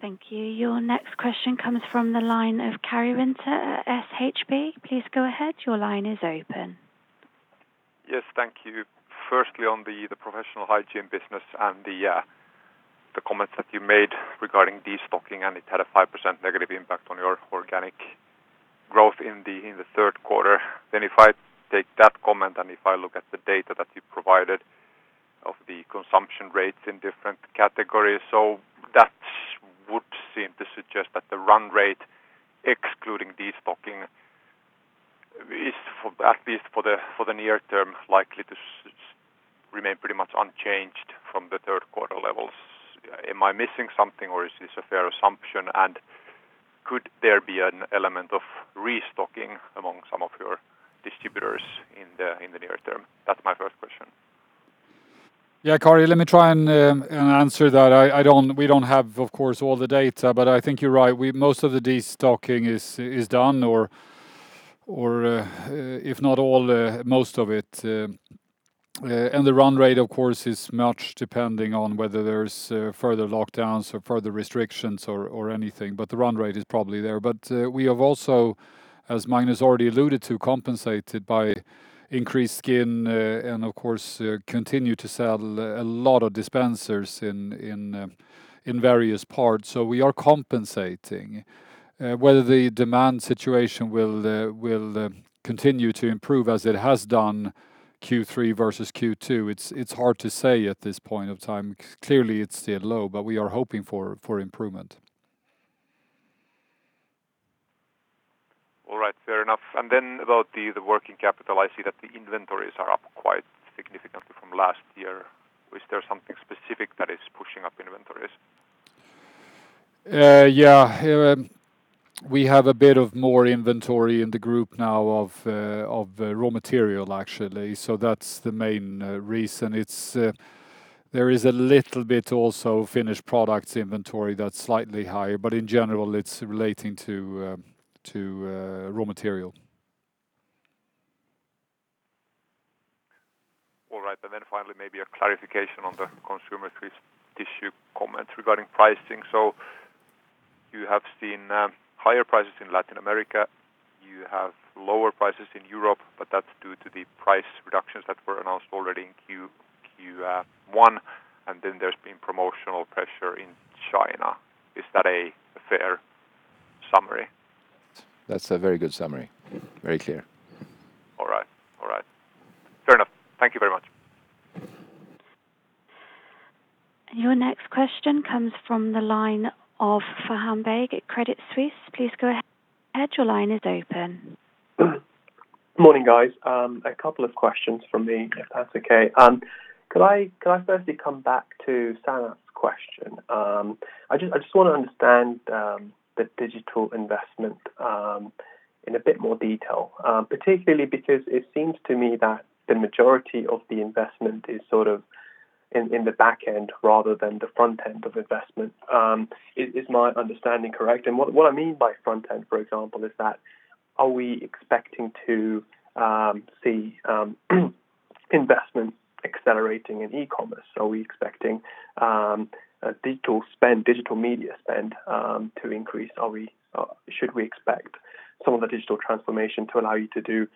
Thank you. Your next question comes from the line of Karri Rinta at SHB. Please go ahead. Your line is open. Yes. Thank you. Firstly, on the Professional Hygiene business and the comments that you made regarding destocking. It had a 5% negative impact on your organic growth in the third quarter. If I take that comment and if I look at the data that you provided of the consumption rates in different categories, that seem to suggest that the run rate, excluding destocking, is at least for the near term, likely to remain pretty much unchanged from the third quarter levels. Am I missing something, or is this a fair assumption? Could there be an element of restocking among some of your distributors in the near term? That's my first question. Yeah, Karri, let me try and answer that. We don't have, of course, all the data, but I think you're right. Most of the destocking is done, or if not all, most of it. The run rate, of course, is much depending on whether there's further lockdowns or further restrictions or anything, but the run rate is probably there. We have also, as Magnus already alluded to, compensated by increased scale and, of course, continue to sell a lot of dispensers in various parts. We are compensating. Whether the demand situation will continue to improve as it has done Q3 versus Q2, it's hard to say at this point of time. Clearly, it's still low, but we are hoping for improvement. All right. Fair enough. About the working capital, I see that the inventories are up quite significantly from last year. Is there something specific that is pushing up inventories? Yeah. We have a bit of more inventory in the group now of raw material, actually. That's the main reason. There is a little bit also finished products inventory that's slightly higher, but in general, it's relating to raw material. All right. Finally, maybe a clarification on the Consumer Tissue comments regarding pricing. You have seen higher prices in Latin America. You have lower prices in Europe, but that's due to the price reductions that were announced already in Q1. There's been promotional pressure in China. Is that a fair summary? That's a very good summary. Very clear. All right. Fair enough. Thank you very much. Your next question comes from the line of Faham Baig at Credit Suisse. Please go ahead. Morning, guys. A couple of questions from me, if that's okay. Could I firstly come back to Sanath's question? I just want to understand the digital investment in a bit more detail, particularly because it seems to me that the majority of the investment is in the back end rather than the front end of investment. Is my understanding correct? What I mean by front end, for example, is that are we expecting to see investment accelerating in e-commerce? Are we expecting digital media spend to increase? Should we expect some of the digital transformation to allow you to do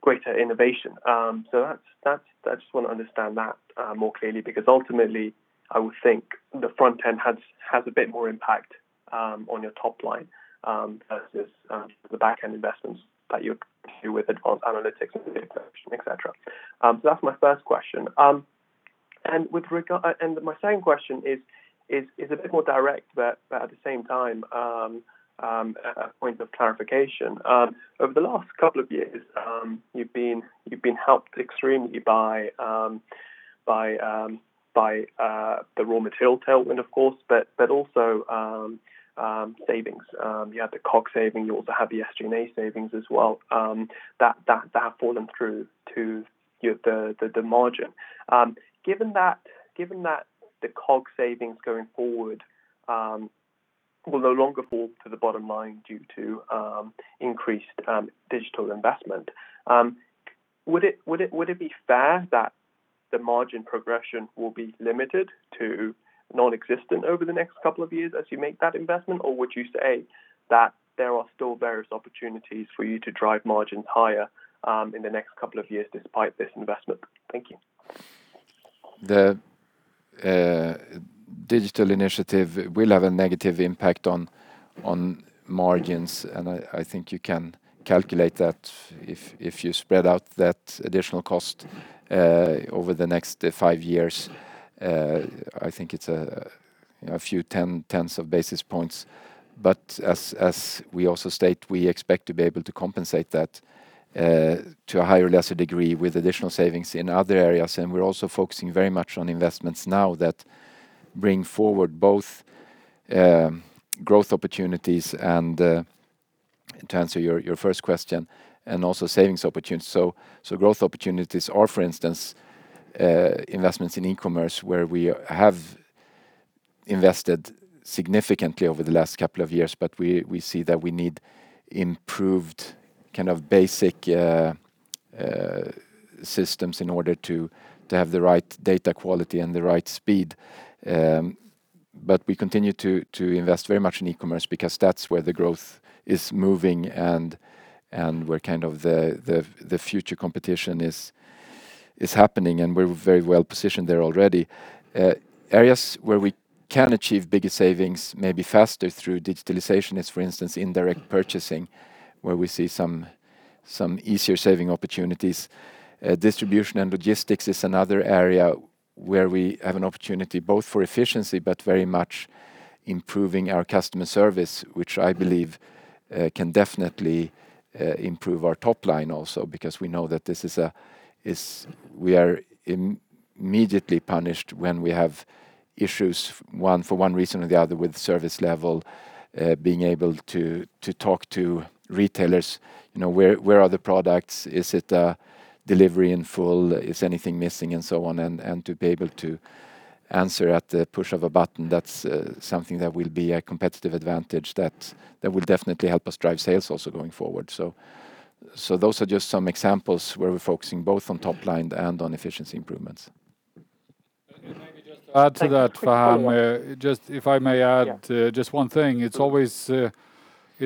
greater innovation? I just want to understand that more clearly because ultimately I would think the front end has a bit more impact on your top line, versus the back-end investments that you do with advanced analytics and data, et cetera. That's my first question. My second question is a bit more direct, but at the same time, a point of clarification. Over the last couple of years, you've been helped extremely by the raw material tailwind, of course, but also savings. You had the COG saving, you also have the SG&A savings as well, that have fallen through to the margin. Given that the COG savings going forward will no longer fall to the bottom line due to increased digital investment, would it be fair that the margin progression will be limited to nonexistent over the next couple of years as you make that investment? Would you say that there are still various opportunities for you to drive margins higher in the next couple of years despite this investment? Thank you. The digital initiative will have a negative impact on margins. I think you can calculate that if you spread out that additional cost over the next 5 years. I think it's a few tens of basis points. As we also state, we expect to be able to compensate that to a higher or lesser degree with additional savings in other areas. We're also focusing very much on investments now that bring forward both growth opportunities and to answer your first question, and also savings opportunities. Growth opportunities are, for instance, investments in e-commerce, where we have invested significantly over the last couple of years. We see that we need improved basic systems in order to have the right data quality and the right speed. We continue to invest very much in e-commerce because that's where the growth is moving, and where the future competition is happening, and we're very well-positioned there already. Areas where we can achieve bigger savings, maybe faster through digitalization is, for instance, indirect purchasing, where we see some. Some easier saving opportunities. Distribution and logistics is another area where we have an opportunity both for efficiency but very much improving our customer service, which I believe can definitely improve our top line also, because we know that we are immediately punished when we have issues, for one reason or the other, with service level, being able to talk to retailers, where are the products? Is it delivery in full? Is anything missing and so on, and to be able to answer at the push of a button. That's something that will be a competitive advantage that will definitely help us drive sales also going forward. Those are just some examples where we're focusing both on top line and on efficiency improvements. Maybe just to add to that, Faham, if I may add just one thing. It's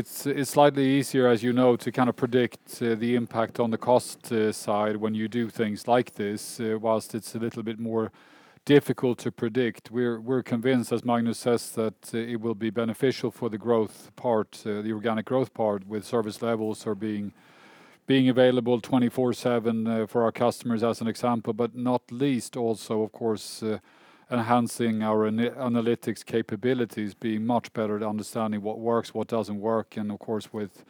slightly easier, as you know, to predict the impact on the cost side when you do things like this, whilst it's a little bit more difficult to predict. We're convinced, as Magnus says, that it will be beneficial for the organic growth part with service levels or being available 24/7 for our customers as an example, but not least also, of course, enhancing our analytics capabilities, being much better at understanding what works, what doesn't work, and of course, with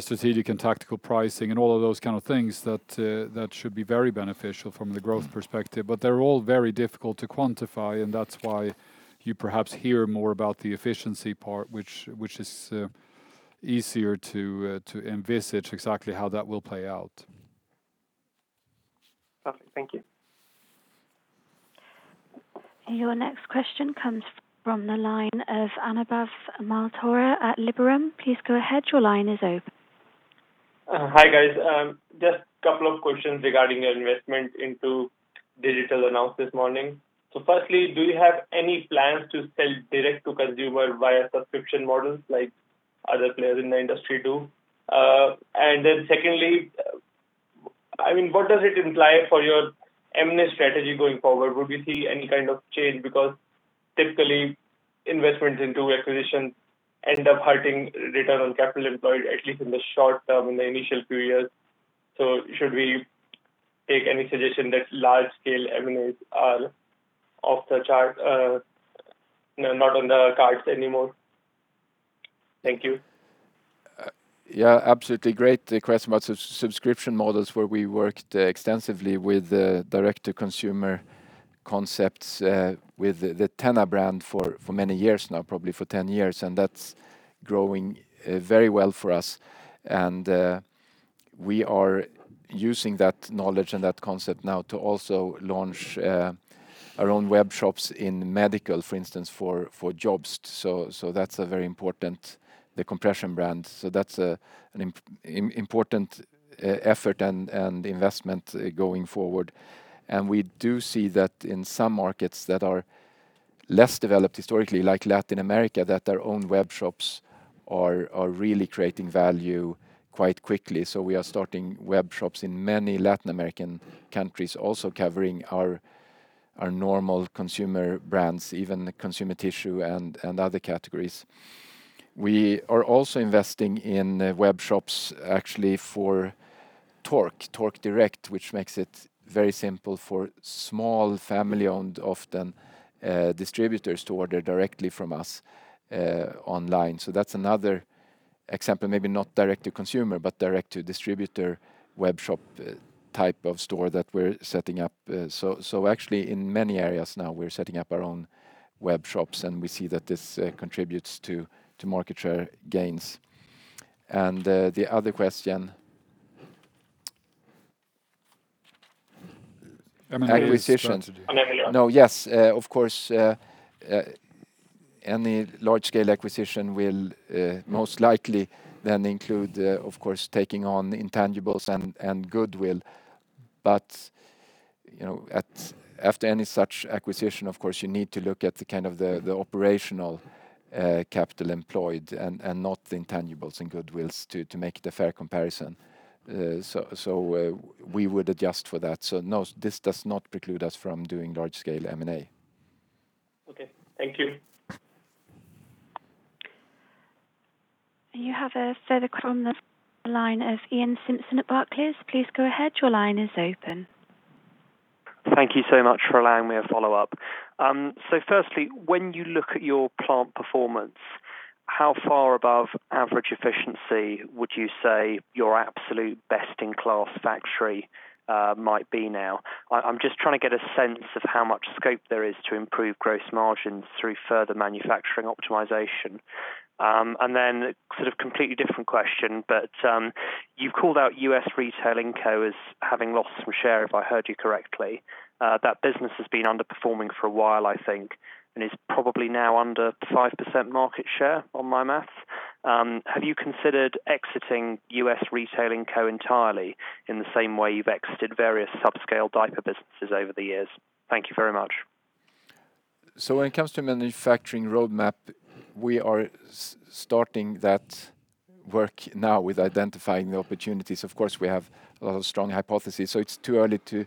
strategic and tactical pricing and all of those kind of things that should be very beneficial from the growth perspective. They're all very difficult to quantify, and that's why you perhaps hear more about the efficiency part, which is easier to envisage exactly how that will play out. Perfect. Thank you. Your next question comes from the line of Anubhav Malhotra at Liberum. Please go ahead. Your line is open. Hi, guys. Just couple of questions regarding your investment into digital announced this morning. Firstly, do you have any plans to sell direct to consumer via subscription models like other players in the industry do? Secondly, what does it imply for your M&A strategy going forward? Would we see any kind of change? Because typically, investments into acquisitions end up hurting return on capital employed, at least in the short term, in the initial few years. Should we take any suggestion that large scale M&As are off the chart, not on the cards anymore? Thank you. Yeah, absolutely. Great question about subscription models, where we worked extensively with direct-to-consumer concepts with the TENA brand for many years now, probably for 10 years, and that's growing very well for us. We are using that knowledge and that concept now to also launch our own web shops in medical, for instance, for JOBST. That's a very important, the compression brand. That's an important effort and investment going forward. We do see that in some markets that are less developed historically, like Latin America, that their own web shops are really creating value quite quickly. We are starting web shops in many Latin American countries, also covering our normal consumer brands, even consumer tissue and other categories. We are also investing in web shops, actually, for Tork. Tork Direct, which makes it very simple for small family-owned, often distributors to order directly from us online. That's another example, maybe not direct to consumer, but direct to distributor web shop type of store that we're setting up. Actually in many areas now, we're setting up our own web shops, and we see that this contributes to market share gains. The other question. M&A strategy. Acquisition. M&A. No. Yes. Of course, any large-scale acquisition will most likely then include, of course, taking on intangibles and goodwill. After any such acquisition, of course, you need to look at the operational capital employed and not the intangibles and goodwills to make it a fair comparison. We would adjust for that. No, this does not preclude us from doing large scale M&A. Okay. Thank you. You have a further call on the line of Iain Simpson at Barclays. Please go ahead. Your line is open. Thank you so much for allowing me a follow-up. Firstly, when you look at your plant performance, how far above average efficiency would you say your absolute best-in-class factory might be now? I'm just trying to get a sense of how much scope there is to improve gross margins through further manufacturing optimization. Then completely different question, but you've called out US retail inco as having lost some share, if I heard you correctly. That business has been underperforming for a while, I think, and is probably now under 5% market share on my math. Have you considered exiting US retail inco entirely in the same way you've exited various subscale diaper businesses over the years? Thank you very much. When it comes to manufacturing roadmap, we are starting that work now with identifying the opportunities. Of course, we have a lot of strong hypotheses, so it's too early to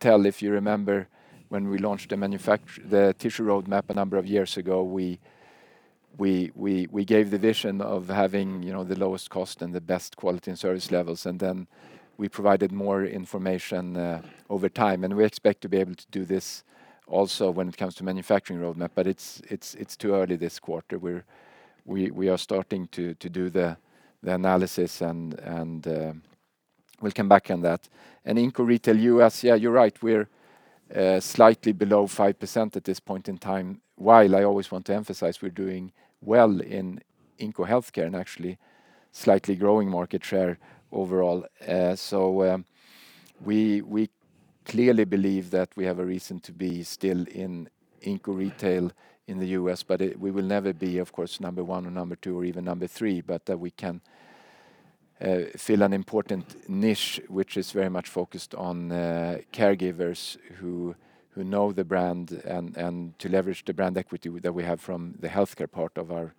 tell. If you remember, when we launched the tissue roadmap a number of years ago. We gave the vision of having the lowest cost and the best quality and service levels, and then we provided more information over time, and we expect to be able to do this also when it comes to manufacturing roadmap, but it's too early this quarter. We are starting to do the analysis, and we'll come back on that. In inco retail U.S., yeah, you're right, we're slightly below 5% at this point in time. While I always want to emphasize we're doing well in inco healthcare and actually slightly growing market share overall. We clearly believe that we have a reason to be still in inco retail in the U.S., but we will never be, of course, number one or number two or even number three, but that we can fill an important niche, which is very much focused on caregivers who know the brand, and to leverage the brand equity that we have from the healthcare part of our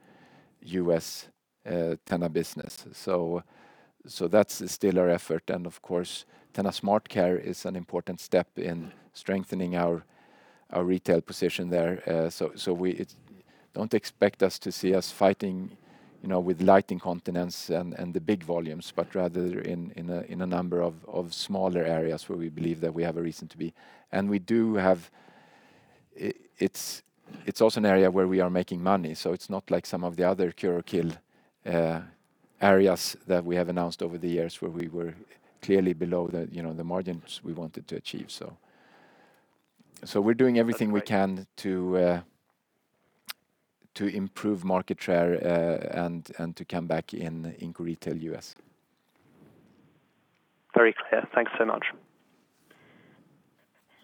U.S. TENA business. That's still our effort, and of course, TENA SmartCare is an important step in strengthening our retail position there. Don't expect us to see us fighting with light incontinence and the big volumes, but rather in a number of smaller areas where we believe that we have a reason to be. It's also an area where we are making money, so it's not like some of the other cure or kill areas that we have announced over the years where we were clearly below the margins we wanted to achieve. We're doing everything we can to improve market share and to come back in inco retail U.S. Very clear. Thanks so much.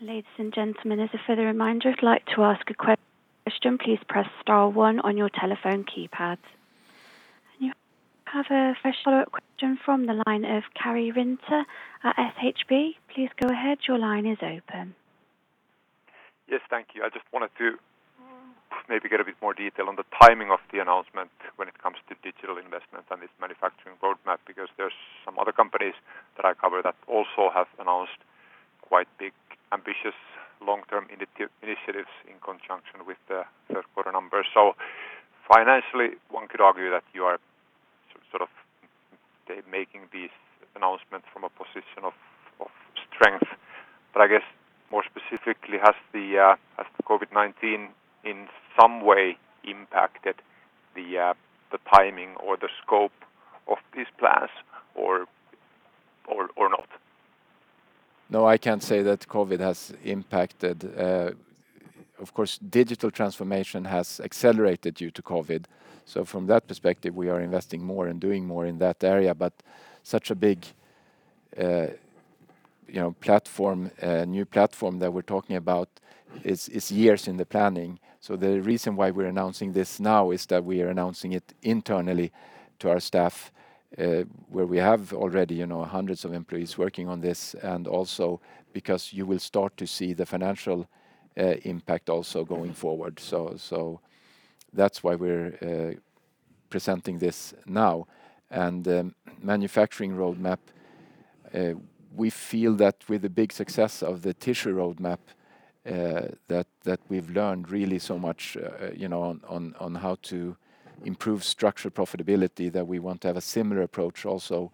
Ladies and gentlemen, as a further reminder, if you'd like to ask a question, please press star one on your telephone keypad. We have a fresh follow-up question from the line of Karri Rinta at SHB. Please go ahead. Your line is open. Yes, thank you. I just wanted to maybe get a bit more detail on the timing of the announcement when it comes to digital investment and this manufacturing roadmap, because there's some other companies that I cover that also have announced quite big, ambitious long-term initiatives in conjunction with the third quarter numbers. Financially, one could argue that you are sort of making these announcements from a position of strength. I guess more specifically, has the COVID-19 in some way impacted the timing or the scope of these plans, or not? I can't say that COVID has impacted. Of course, digital transformation has accelerated due to COVID. From that perspective, we are investing more and doing more in that area, but such a big new platform that we're talking about is years in the planning. The reason why we're announcing this now is that we are announcing it internally to our staff, where we have already hundreds of employees working on this, and also because you will start to see the financial impact also going forward. That's why we're presenting this now. Manufacturing roadmap, we feel that with the big success of the tissue roadmap, that we've learned really so much on how to improve structural profitabilityy, that we want to have a similar approach also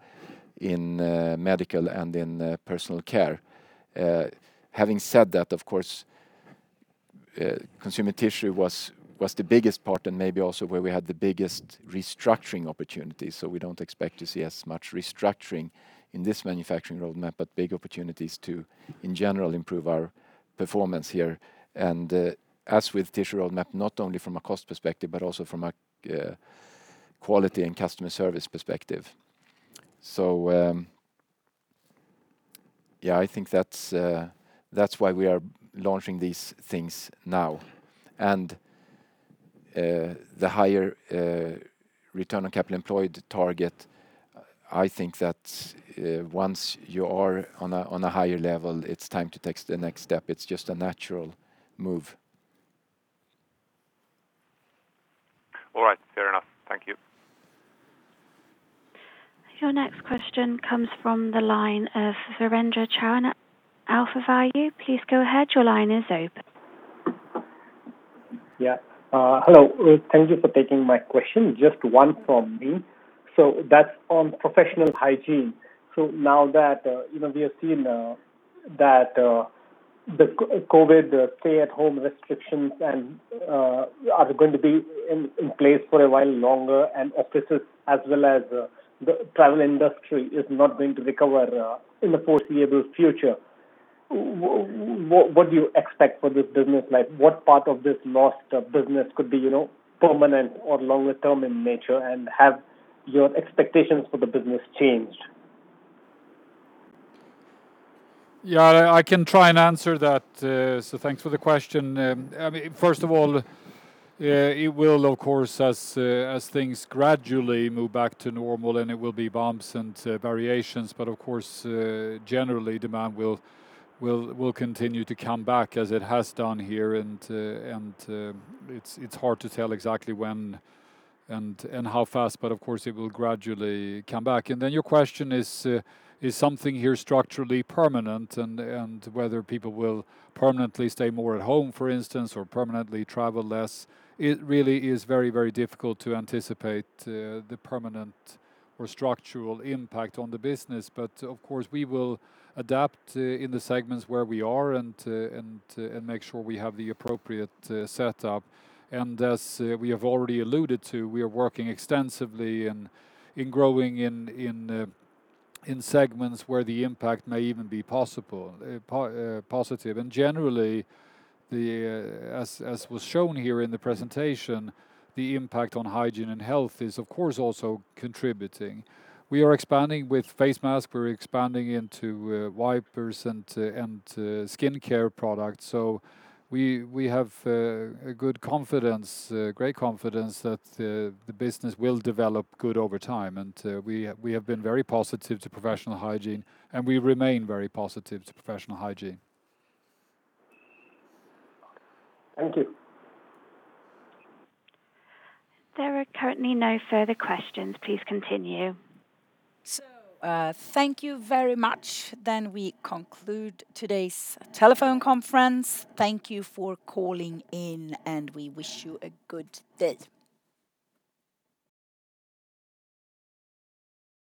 in medical and in Personal Care. Having said that, of course, Consumer Tissue was the biggest part and maybe also where we had the biggest restructuring opportunity. We don't expect to see as much restructuring in this manufacturing roadmap, but big opportunities to, in general, improve our performance here. As with tissue roadmap, not only from a cost perspective, but also from a quality and customer service perspective. I think that's why we are launching these things now. The higher return on capital employed target, I think that once you are on a higher level, it's time to take the next step. It's just a natural move. All right. Fair enough. Thank you. Your next question comes from the line of Virendra Chauhan at AlphaValue. Please go ahead. Your line is open. Yeah. Hello. Thank you for taking my question. Just one from me. That's on Professional Hygiene. Now that we have seen that the COVID stay-at-home restrictions are going to be in place for a while longer, and offices as well as the travel industry is not going to recover in the foreseeable future, what do you expect for this business? What part of this lost business could be permanent or longer term in nature? Have your expectations for the business changed? I can try and answer that, thanks for the question. First of all, it will, of course, as things gradually move back to normal and it will be bumps and variations, but of course, generally, demand will continue to come back as it has done here, and it's hard to tell exactly when and how fast, but of course, it will gradually come back. Then your question is something here structurally permanent and whether people will permanently stay more at home, for instance, or permanently travel less? It really is very difficult to anticipate the permanent or structural impact on the business. Of course, we will adapt in the segments where we are and make sure we have the appropriate setup. As we have already alluded to, we are working extensively in growing in segments where the impact may even be positive. Generally, as was shown here in the presentation, the impact on hygiene and health is of course also contributing. We are expanding with face masks. We're expanding into wipers and skincare products. We have great confidence that the business will develop good over time, and we have been very positive to Professional Hygiene, and we remain very positive to Professional Hygiene. Thank you. There are currently no further questions. Please continue. Thank you very much. We conclude today's telephone conference. Thank you for calling in, and we wish you a good day.